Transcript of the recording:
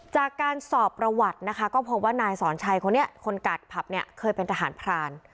จากการสอบประวัตินะคะก็พบว่านายสอนชัยคนนี้คนกัดผับเนี่ยเคยเป็นทหารพราน